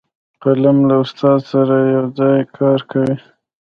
قلم له استاد سره یو ځای کار کوي